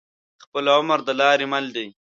خپل عمل د لارې مل دى.